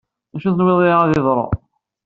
D acu tenwiḍ ihi ad yeḍru?